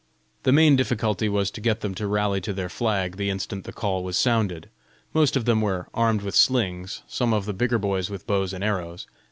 The main difficulty was to get them to rally to their flag the instant the call was sounded. Most of them were armed with slings, some of the bigger boys with bows and arrows.